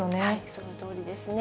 そのとおりですね。